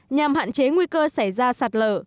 nhằm hạn chế nguy cơ xảy ra sạt lở